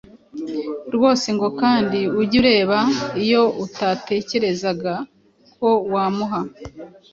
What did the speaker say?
rwose ngo kandi ujye ureba iyo atatekerezaga ko wamuha